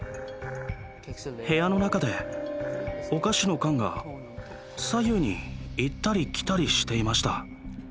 部屋の中でお菓子の缶が左右に行ったり来たりしていました。